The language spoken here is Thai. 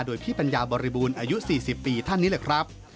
โดยพี่ปัญญาบริบูรณ์อายุ๔๐ปีท่านนี้แหละครับ